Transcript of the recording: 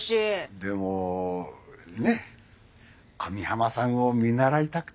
でもねえ網浜さんを見習いたくて。